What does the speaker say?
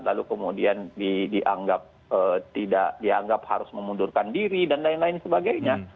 lalu kemudian dianggap tidak dianggap harus memundurkan diri dan lain lain sebagainya